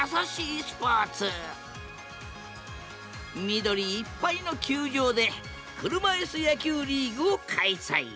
緑いっぱいの球場で車いす野球リーグを開催。